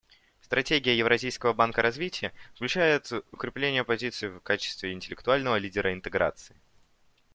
Стратегия Евразийского банка развития включает укрепление позиций в качестве интеллектуального лидера интеграции.